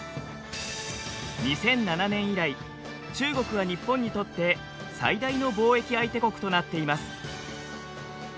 ２００７年以来中国は日本にとって最大の貿易相手国となっています。